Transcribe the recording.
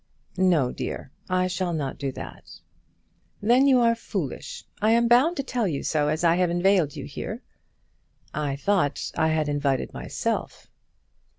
"No, dear; I shall not do that." "Then you are foolish. I am bound to tell you so, as I have inveigled you here." "I thought I had invited myself."